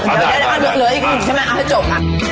เดี๋ยวอีกหนึ่งใช่ไหมเอาถ้าจบ